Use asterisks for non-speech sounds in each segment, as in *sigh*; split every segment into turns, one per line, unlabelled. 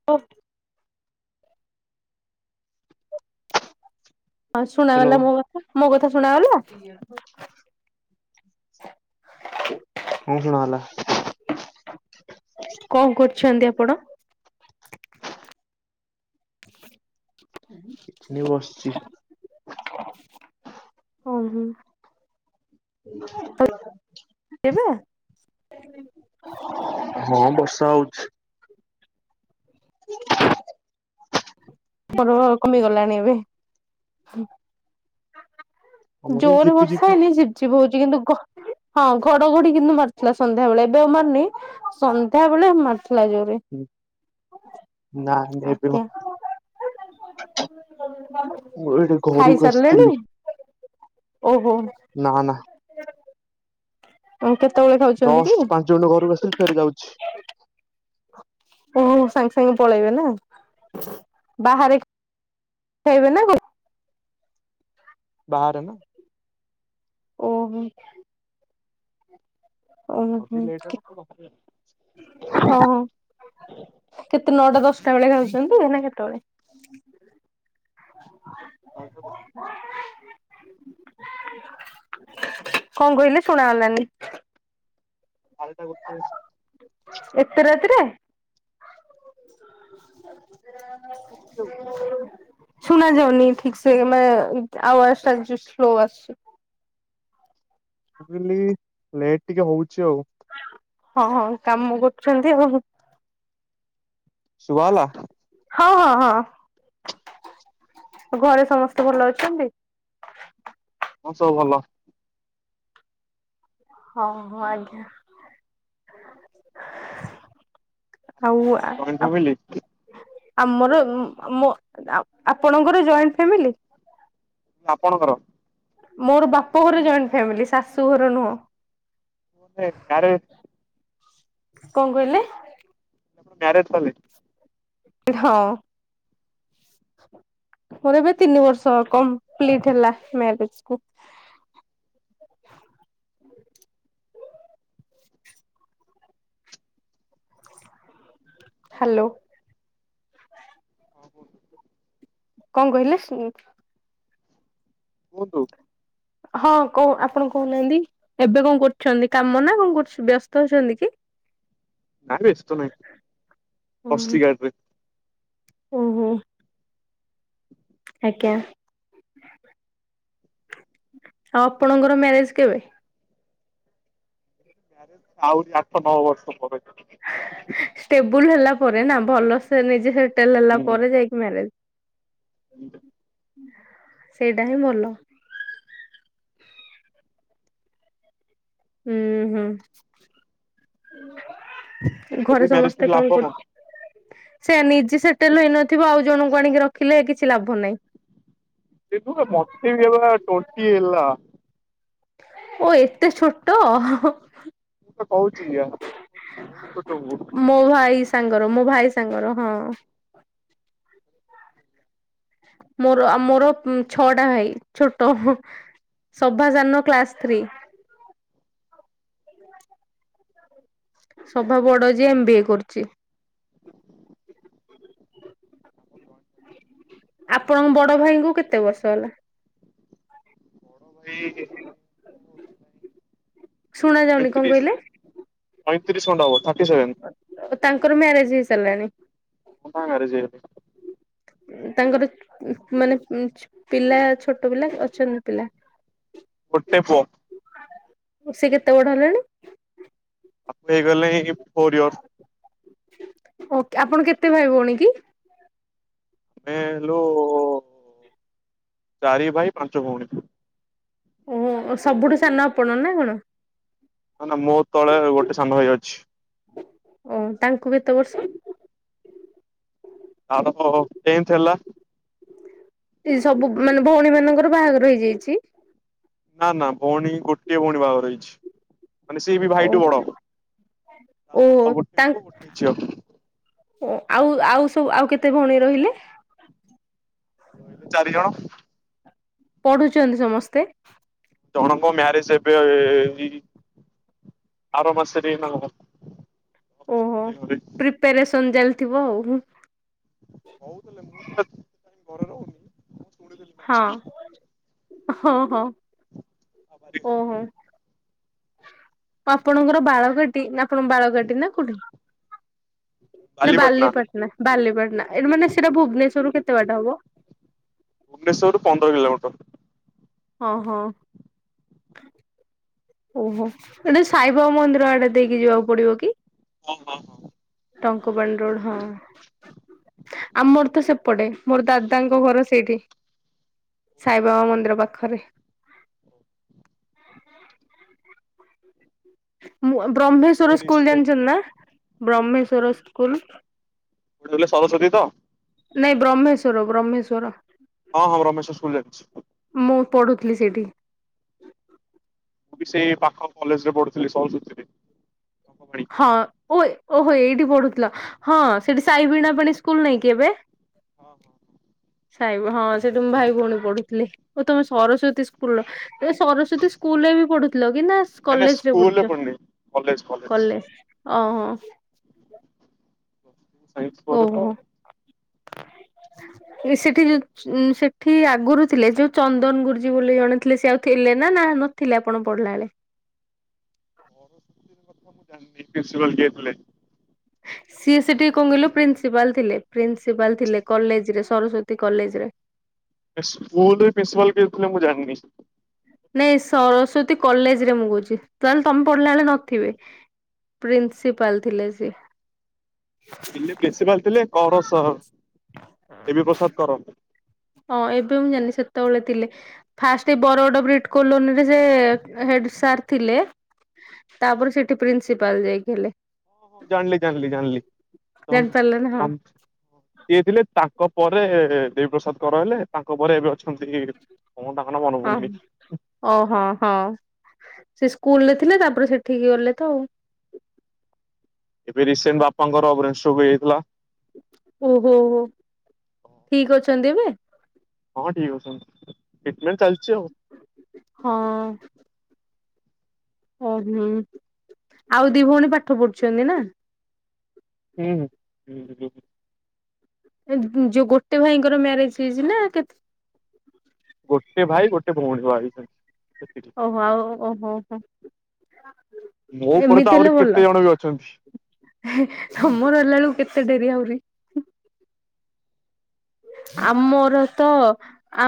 *unintelligible* ହଁ
ହ୍ୟାଲୋ
ଶୁଣାଗଲା ମୋ ମୋ କଥା ଶୁଣାଗଲା?
*unintelligible* ହଁ ଶୁଣା ଗଲା।
କଣ କରୁଛନ୍ତି ଆପଣ?
କିଛନି ବସିଛି।
ହଁ ହୁଁ।
*inaudible*
ଏ ନା। *inaudible*
ହଁ ବର୍ଷା ହଉଛି। *inaudible*
ମର କମି ଗଲାଣି ଏବେ ହୁ।
ଆମର ସେଇ
ଜୋରେ
ଝିପି
ବର୍ଷା
ଝିପି
ହେନି ଝିପ୍ ଝିପ୍ ହଉଛି କିନ୍ତୁଗ ହଁ ଘଡଘଡି କିନ୍ତୁ ମାରିଥୁଲା ସନ୍ଧ୍ୟା ବେଳେ ଏବେ ଆଉ ମାର୍ନି ସନ୍ଧ୍ୟା ବେଳେ ମାରିଥିଲା ଯୋର୍ରେ।
ନା ନାଇ ପ୍।
ଆଜ୍ଞା
ମୁଁ ଏଠି ଘରକୁ
ଖାଇସାରିଲେଣି
ଆସିଥିଲି।
ଓହୋ।
ନା ନା।
*unintelligible* ଆଉ କେତେବେଳେ ଖାକ୍
ଦଶ୍ ପାଞ୍ଚ ମିନିଟରୁ ଘରକୁ ଆସିଲି ଫେର୍ ଯାଉଛି।
ଓହୋ ସାଙ୍ଗ୍ ସାଙ୍ଗ୍ ପଳେଇବେ ନା। ବାହାରେ ଖାଇବେ ନା ଘ
ବାହାରେ ନା।
ଓହୋ।
ଲେଟ୍ ହେଲା।
ହ କେତେ ନଅଟା ଦଶଟା ବେଳେ ଖାଉଛନ୍ତି ନା କେତବେଳେ?
*unintelligible*
କଣ କହିଲେ ଶୁଣା ଗଲାନି?
ବାରଟା ଗୋଟେ।
ଏତ ରାତିରେ?
ଆଉ। ମୁଁ
*inaudible* ଶୁନାଯାଉନି ଠିକ୍ ସେ ମାନେ ଆୱଜ୍ ଟା ସ୍ଲୋ ଆସୁଛି।
କହିଲି ଲେଟ୍ ଟିକେ ହଉଛି ଆଉ।
ହଁ ହଁ କାମ କରୁଛନ୍ତି ଆଉ।
ଶୁଭା ଗଲା?
ହଁ ହଁ ହଁ ଘରେ ସମସ୍ତେ ଭଲ ଅଛନ୍ତି
ହଁ ସବୁ ଭଲ।
ହଁ ଆଜ୍ଞା। ଆଉ
ଆପଣଙ୍କର କଣ ଜଏଣ୍ଟ ଫ୍ୟାମିଲି
ଆମର ମୋ ଆପଣଙ୍କର ଜଏଣ୍ଟ ଫ୍ୟାମିଲି?
ଆପଣଙ୍କର?
ମୋର ବାପ ଘର ଜଏଣ୍ଟ ଫ୍ୟାମିଲି ଶାଶୁ ଘର ନୁହଁ।
*unintelligible*
କଣ କହିଲେ?
ମେରେଜ କଲେ?
ହଁ ମୋର ଏବେ ତିନି ବର୍ଷ କମ୍ପ୍ଲିଟ ହେଲା, ମ୍ୟାରେଜ କୁ। ହେଲୋ
*unintelligible*
କଣ କହିଲେ?
କୁହନ୍ତୁ
ହଁ କ ଆପଣ କହୁନାହାନ୍ତି ଏବେ କଣ କରୁଛନ୍ତି? କାମ ନା କଣ କରୁ ବ୍ୟସ୍ତ ଅଛନ୍ତି କି?
ନାଇଁ ବ୍ୟସ୍ତ ନାଇଁ,
ହୁଁ
ବସ୍ତି ଗାଡିରେ।
ଓହୋ ଆଜ୍ଞା ଆଉ ଆପଣଙ୍କର ମ୍ୟାରେଜ କେବେ?
ଆହୁରି ଆଠ, ନଅ ବର୍ଷ ପରେ।
ଷ୍ଟେବୁଲ ହେଲା ପରେ ନା ଭଲ ସେ ନିଜେ ସେଟେଲ ହେଲା ପରେ ଯାଇକି ମ୍ୟାରେଜ।
ହୁଁ
ସେଇଟା ହିଁ ଭଲ। ହୁଁ ହୁଁ
ଏବେ
ଘରେ
ମ୍ୟାରେଜ କରି
ସମସ୍ତେ କଣ
ଲାଭ
କରୁ ସେ ନିଜେ ସେଟେଲ ହେଇନଥିବ ଆଉ ଜଣଙ୍କୁ ଆଣିକି ରଖିଲେ କିଛି ଲାଭ ନାହିଁ।
ସେ ମୋତେ ବିଲା ଟୋଟିି ଏଲା।
ଓ ଏତେ ଛୋଟ।
ମୁଁ ତ କହୁଛି ଆଜ୍ଞା ଆ ବହୁତ
ମୋ ଭାଇ ସାଙ୍ଗର ମୋ ଭାଇ ସାଙ୍ଗର ହଁ। ମୋର ମୋର ଛଅ ଟା ଭାଇ ଛୋଟ ସଭା ସାନ କ୍ଲାସ ଥ୍ରୀ। ସଭା ବଡ ଯେ ଏମ ବି ଏ କରୁଛି।
*inaudible*
ଆପଣଙ୍କ ବଡ ଭାଇଙ୍କୁ କେତେ ବର୍ଷ ହେଲା?
ସେ
ଶୁଣା ଯାଉନି କଣ
ପଇଁତିରିଶ
କହିଲେ?
ପଇଁତିରିଶ ଖଣ୍ଡେ ହବ ଥାର୍ଟି ସେଭେନ।
ତାଙ୍କର ମ୍ୟାରେଜ ହେଇ ସାରିଲାଣି?
ହଁ ମ୍ୟାରେଜ୍ ହେଇ
ତାଙ୍କର ମାନେ ପିଲା ଛୋଟ ପିଲା ଅଛନ୍ତି ପିଲା?
ଗୋଟେ ପୁଅ।
ସେ କେତେ ବଡ ହେଲାଣି?
ତାକୁ ହେଇଗଲାଣି ଫୋରୟରସ୍।
ଓ ଆପଣ କେତେ ଭାଇ ଭଉଣୀ କି?
ଆମେ ହେଲୁ ଚାରି ଭାଇ ପାଞ୍ଚ ଭଉଣୀ।
ଓହୋ ସବୁଠୁ ସାନ ଆପଣ ନା କଣ?
ନା ନା ମୁଁ ତଳେ ଗୋଟେ ସାଙ୍ଗ ଭାଇ ଅଛି।
ଓ ତାଙ୍କୁ କେତେ ବର୍ଷ?
ତାରତ ଟେନ୍ଥ ହେଲା।
ଏ ସବୁ ମାନେ ଭଉଣୀ ମାନଙ୍କର ବାହାଘର ହେଇଯାଇଛି?
ନା ନା ଭଉଣୀ ଗୋଟିଏ ଭଉଣୀ ବାହାଘର ହେଇଛି। ମାନେ ସେ ବି
ଓ
ଭାଇଟୁ ବଡ ହେବ
ଓ
ତାର ଗୋଟେ ପୁଅ ଗୋଟେ ଝିଅ।
ଓ ଆଉ ଆଉ ସବୁ ଆଉ କେତେ ଭଉଣୀ ରହିଲେ।
ରହିଲେ ଚାରିଜଣ।
ପଢୁଛନ୍ତି ସମସ୍ତେ।
ଜଣଙ୍କ ମ୍ୟାରେଜ ଏବେ ଏଇ ଆର ମାସରେ *unintelligible*
ପ୍ରିପାରେସନ୍ ଚାଲିଥିବ ଆଉ।
*unintelligible* ଘରେ ରହୁନି ମୁଁ ଶୁଣିଥିଲି ମ୍ୟାରେଜ
ହଁ
ବୋଲି
ହଁ ହଁ ଓହୋ! ଆପଣଙ୍କର ବାଳକାଟି ନା ଆପଣଙ୍କ ବାଳକାଟି ନା କୋଉଠି? ନା ବାଲିପାଟଣା ବାଲିପାଟଣା ଏଟ ମାନେ ସେଟା ଭୁବନେଶ୍ଵର ରୁ କେତେ ବାଟା ହବ?
ଭୁବେଶ୍ୱରରୁ ପନ୍ଦର କିଲୋମିଟର।
ହଁ ହଁ। ଓହୋ ଏଟେ ସାଇବା ମନ୍ଦିର ଆଡେ ଦେଇକି ଯିବାକୁ ପଡିବ କି?
ହ ହଁ ହ।
ଟଙ୍କ ପାଣି ରୋଡ଼ ହିଁ। ଆମର ତ ସେପଟେ ମୋର ଦାଦାଙ୍କ ଘର ସେଇଠି। ସାଇବାବା ମନ୍ଦିର ପାଖରେ। ମୁଁ ବ୍ରହ୍ମେଶ୍ଵର ସ୍କୁଲ ଜାଣିଛ ନା ବ୍ରହ୍ମେଶ୍ଵର ସ୍କୁଲ।
ସରସ୍ଵତୀ ତ
ନାଇଁ ବ୍ରହ୍ମେଶ୍ଵର ବ୍ରହ୍ମେଶ୍ଵର।
ହଁ ହଁ ବ୍ରହ୍ମେଶ୍ୱର ସ୍କୁଲ ଜାଣିଛି।
ମୁଁ ପଢ଼ୁଥିଲି ସେଇଠି।
ମୁଁ ବି ସେଇ ପାଖ କଲେଜ ରେ ପଢ଼ୁଥିଲି ସରସ୍ଵତୀ ରେ।
ହଁ ଓ ଓହୋ ଏଇଠି ପଢୁଥିଲ, ହଁ ସେଠି ସାଇ ବିଣା ପାଣି ସ୍କୁଲ ନାଇଁ କି ଏବେ?
*inaudible*
ସାଇ ହଁ ସେଠି ମୁଁ ଭାଇ ଭଉଣୀ ପଢୁଥିଲି ଓ ତମେ ସରସ୍ଵତୀ ସ୍କୁଲର ସରସ୍ଵତୀ ସ୍କୁଲ ରେ ବି ପଢୁଥିଲ କି ନା
ନାଇଁ ନାଇଁ ସ୍କୁଲ୍ ରେ ପଢିନି କଲେଜ। କଲେଜ।
କଲେ ଓହଁ।
ସାଇନ୍ସ ପରେ ତ
ଓହୋ ସେଠି ଯଉ ଉ ସେଠି ଆଗରୁ ଥିଲେ ଯୋଉ ଚନ୍ଦନ ଗୁରୁଜୀ ବୋଲି ଜଣେଥିଲେ ସେ ଆଉ ଥିଲେ ନା ନା ନଥିଲେ ଆପଣ ପଢିଲା ବେଳେ।
ପ୍ରିନ୍ସିପାଲ କିଏ ଥିଲେ?
ସିଏ ସେଠି କଣ କହିଲ
ସ୍କୁଲର।
ପ୍ରିନ୍ସିପାଲ ଥିଲେ, ପ୍ରିନ୍ସିପାଲ ଥିଲେ, କଲେଜ ରେ ସରସ୍ଵତୀ କଲେଜ ରେ।
ସ୍କୁଲ ରେ ପ୍ରିନ୍ସିପାଲ କିଏ ଥିଲେ ମୁଁ ଜାଣିନି।
ନାଇଁ ସରସ୍ଵତୀ କଲେଜ ରେ ମୁଁ କହୁଛି ତାହେଲେ ତମେ ପଢିଲା ବେଳେ ନଥିବେ। ପ୍ରିନ୍ସିପାଲ ଥିଲେ ସିଏ।
ଦିଲ୍ଲୀ ପ୍ରିନ୍ସିପାଲ ଥିଲେ କର ଦେବୀ ପ୍ରସାଦ କର।
ହଁ ଏବେ ମୁଁ ଜାନି ସେତେବେଳେ ଥିଲେ। ଫାଷ୍ଟ ଏଇ ବରଡ ବ୍ରିଟ କଲୋନୀରେ ସେ ହେଡ ସାର୍ ଥିଲେ। ତାପରେ ସେଠି ପ୍ରିନ୍ସିପାଲ ଯାଇ ହେଲେ।
ହଁ ଜାଣିଲି ଜାଣିଲି ଜାଣିଲି।
ଜାଣିପାରିଲେ ନା ହଁ
ସିଏ ଥିଲେ ତାଙ୍କ ପରେ ଦେବୀ ପ୍ରସାଦ କରହଲେ ତାଙ୍କ ପରେ ଏବେ ଅଛନ୍ତି କଣ ତାଙ୍କ ନାଁ ମନେ ପଡୁନି
*inaudible* ଓହୋ ହଁ ସେ ସ୍କୁଲରେ ଥିଲେ ତାପରେ ସେଠିକି ଗଲେ ତ ଆଉ।
ଏବେ ରିସେଣ୍ଟ ବାପାଙ୍କର ବ୍ରେନ ଷ୍ଟ୍ରୋକ ହେଇଥିଲା।
ଓହୋ! ଠିକ ଅଛନ୍ତି ଏବେ?
ହଁ ଠିକ୍ ଅଛନ୍ତି ଟ୍ରିଟମେଣ୍ଟ ଚାଲିଛି ଆଉ।
ହଁ। ଓହୋ ଆଉ ଦି ଭଉଣୀ ପାଠ ପଢୁଛନ୍ତି ନା?
ହୁଁ।
ଯୋଉ ଗୋଟେ ଭାଇଙ୍କର ମ୍ୟାରେଜ ହେଇଛି ନା କେତେ?
ଗୋଟେ ଭାଇ ଗୋଟେ ଭଉଣୀ ବାହା ହେଇଛନ୍ତି। ସେତିକି
ଓହୋ ଆଉ ଓହୋ ହୋ। ହ *inaudible*
ମୋ ଉପରେ ତ ଆହୁରି କେତେ ଜଣ ବି ଅଛନ୍ତି।
ତମର ହେଲା ବେଳକୁ କେତେ ଡେରି ଆହୁରି? ଆମୋର ତ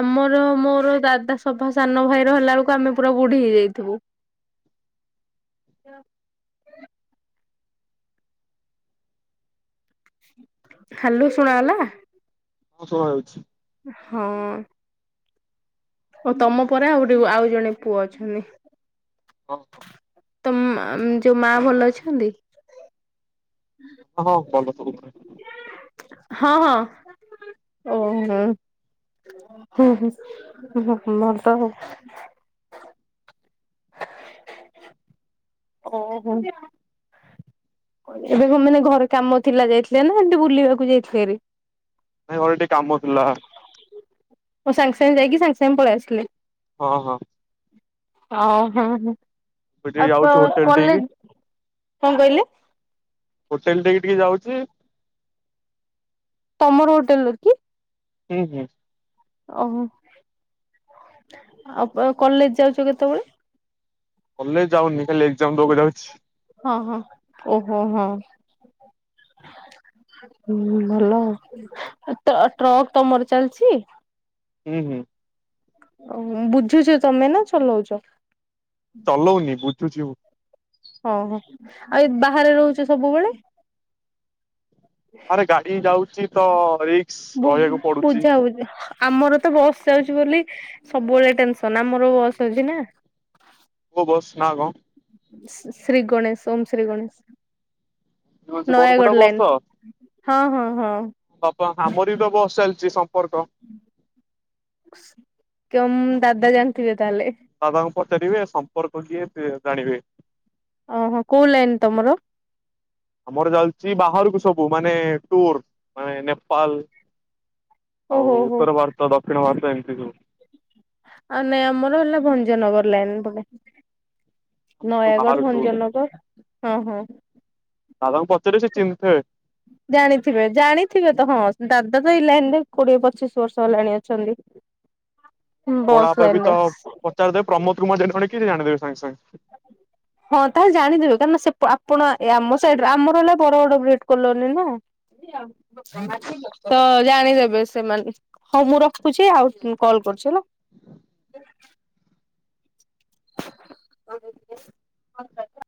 ଆମୋର ମୋର ଦାଦା ସଭା ସାନ ଭାଇର ହେଲା ବେଳକୁ ଆମେ ପୁରା ବୁଢୀ ହେଇଯାଇଥିବୁ। ହ୍ୟାଲୋ ଶୁଣା ହେଲା?
ହଁ ଶୁଭାହାଛି।
ହଁ। ଓଉ ତମ ପରେ ଆଉ ଆଉ ଜଣେ ପୁଅ ଅଛନ୍ତି?
ହଁ।
ତମ୍ ଆମ୍ ଯୋଉ ମା ଭଲ ଅଛନ୍ତି
ହଁ ଭଲ ଅଛନ୍ତି
ହଁ ହଁ ଓହୋ ହୁଁ ହୁଁ ମର ତ ହ ଓହୋ ଏବେ କଣ ମାନେ ଘରେ କାମ ଥିଲା ଯାଇଥିଲେ ନା ଏମିତି ବୁଲିବାକୁ ଯାଇଥିଲେ ଏବେ
ନାଇଁ ଘରେ ଟିକେ କାମ ଥିଲା
କଣ ସାଙ୍ଗେ ସାଙ୍ଗେ ଯାଇକି ସାଙ୍ଗେ ସାଙ୍ଗେ ପଳେଇଆସିଲେ
ହଁ ହଁ
ଓ ହଁ ହଁ
ଏବେ ଟିକେ
ଆଉ କ
ଯାଉଛି ହୋଟେଲ ଠିକି
କଲେଜ କଣ କହିଲେ
ହୋଟେଲ ଟିକେ ଟିକେ ଯାଉଛି
ତମର ହୋଟେଲ ଅଛି
ହୁଁ ହୁଁ
ଓହୋ ଆଉ ପ କଲେଜ ଯାଉଛ କେତେବେଳେ
କଲେଜ ଯାଉନି ଖାଲି ଏକ୍ଜାମ ଦେବାକୁ ଯାଉଛି
ହଁ ହଁ ଓହୋ ହଁ ହୁଁ ଭଲ ଆଉ ଟ ଟ୍ରକ୍ ତମର ଚାଲିଛି
ହୁଁ ହୁଁ
ଓ ବୁଝୁଛ ତମେ ନା ଚଲଉଛ
ଚଲଉନି ବୁଝୁଛି ମୁ
ଓହୋ ଆଉ ବାହାରେ ରହୁଛ ସବୁବେଳେ
ଆରେ ଗାଡି ଯାଉଛି ତ ରିକ୍
ବୁଝ୍ ବୁଝା ବୁଝି ଆମର ତ ବସ୍ ଯାଉଛି ବୋଲି ସବୁବେଳେ ଟେନସନ ଆମର ବସ୍ ଅଛି ନା
କୋଉ ବସ ନା କଣ?
ଶି ଶୀ ଶ୍ରୀ ଗଣେଶ ଓମ୍ ଶ୍ରୀ ଗଣେଶ
ହଁ ସେଇ
ନୟାଗଡ଼
ବରମୁଣ୍ଡା
ଲାଇନ
ବସ ତ
ହଁ ହଁ ହଁ
ବାପା ଆମର ବି ତ ବସ ଚାଲିଛି ସମ୍ପର୍କ
କି ମୋ ଦାଦା ଜାଣିଥିବେ ତାହେଲେ
ଦାଦାଙ୍କୁ ପଚାରିବେ ସମ୍ପର୍କ କିଏ ସେ ଜାଣିବେ
ଓହୋ କୋଉ ଲାଇନ ତମର
ଆମର ଚାଲିଛି ବାହାରକୁ ସବୁ ମାନେ ଟୁର ମାନେ ନେପାଳ ଆଉ
ଓହୋ ହୋ
ଉତ୍ତର ଭାରତ ଦକ୍ଷିଣ ଭାରତ ଏମିତି ସବୁ
ଆଉ ନାଇଁ ଆମର ହେଲା ଭଞ୍ଜନଗର ଲାଇନ *unintelligible*
ସବୁ
ନୟାଗଡ଼ ଭଞ୍ଜନଗର ହଁ ହଁ
ସାର୍ ଙ୍କୁ ପଚାରିବ ସେ ଚିହ୍ନିଥିବେ
ଜାଣିଥିବେ ଜାଣିଥିବେ ତ ହଁ ଦାଦା ତ ଏଇ ଲାଇନ୍ ରେ କୋଡିଏ ପଚିଶ ବର୍ଷ ହେଲାଣି ଅଛନ୍ତି ହୁ ବସ୍ ଲାଇନ୍ ରେ
ପଚାରି ଦେବେ ପ୍ରମଦ କୁମାର ଜେ ଜଣେ କେ ଜାଣିଦେବେ ସାଙ୍ଗ ସାଙ୍ଗ
ହ *inaudible* ହଁ ତାହେଲେ ଜାଣିଦେବେ କାହିକିନା ସେ ଆପଣ ଏଆମ ସାଇଡ ର ଆମର ହେଲା ବରଗଡ ବ୍ରେଡ କଲୋନି ନା ତ ଜାଣିଦେବେ ସେମାନେ ହୋଉ ମୁଁ ରଖୁଛି ଆଉ କଲ କରୁଛି ହେଲା ହ *inaudible*